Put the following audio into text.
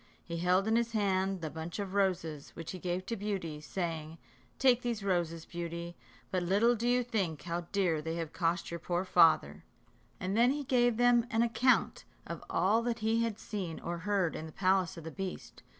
He held in his hand the bunch of roses, which he gave to Beauty, saying: "Take these roses, Beauty; but little do you think how dear they have cost your poor father;" and then he gave them an account of all that he had seen or heard in the palace of the beast.